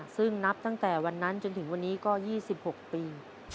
ซึ่งนับตั้งแต่วันนั้นจนถึงวันนี้ก็๒๖ปี